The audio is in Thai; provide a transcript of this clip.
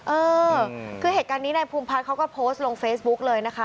เออคือเหตุการณ์นี้นายภูมิพัฒน์เขาก็โพสต์ลงเฟซบุ๊กเลยนะคะ